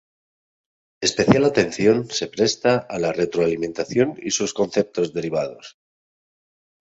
Especial atención se presta a la retroalimentación y sus conceptos derivados.